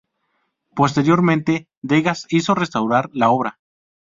Posteriormente Degas hizo restaurar la obra.